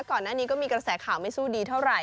ก่อนหน้านี้ก็มีกระแสข่าวไม่สู้ดีเท่าไหร